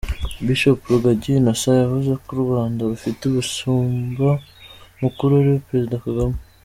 Bishop Rugagi Innocent yavuze ko u Rwanda rufite umushumba mukuru ariwe Perezida Kagame.